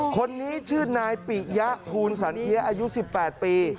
คนนี้ชื่อนายปิยะภูลสันเทียอายุ๑๘ปี